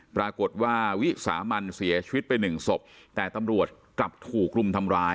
ปรากฏว่าวิสามันเสียชีวิตไปหนึ่งศพแต่ตำรวจกลับถูกรุมทำร้าย